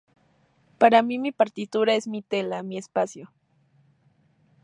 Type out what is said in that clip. Para mi, mi partitura es mi tela, mi espacio.